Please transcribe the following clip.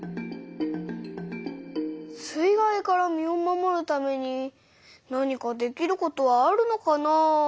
水害から身を守るために何かできることはあるのかなあ？